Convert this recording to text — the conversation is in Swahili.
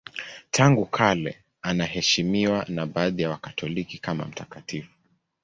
Tangu kale anaheshimiwa na baadhi ya Wakatoliki kama mtakatifu.